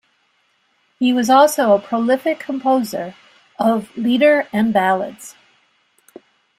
He also was a prolific composer of "lieder" and ballads.